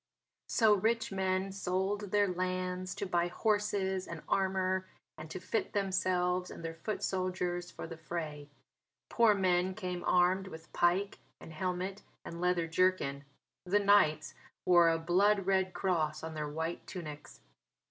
So rich men sold their lands to buy horses and armour and to fit themselves and their foot soldiers for the fray. Poor men came armed with pike and helmet and leather jerkin. The knights wore a blood red cross on their white tunics.